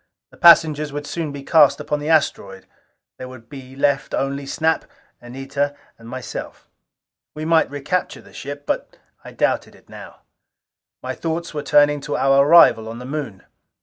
The passengers soon would be cast upon the asteroid: there would be left only Snap, Anita and myself. We might recapture the ship, but I doubted it now. My thoughts were turning to our arrival on the Moon.